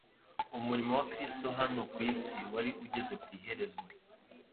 Umurimo wa Kristo hano ku isi wari ugeze ku iherezo.